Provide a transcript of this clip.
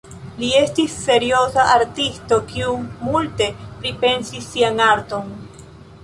Li estis serioza artisto, kiu multe pripensis sian arton.